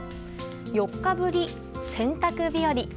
４日ぶり、洗濯日和。